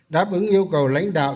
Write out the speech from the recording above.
đáp ứng yêu cầu lãnh đạo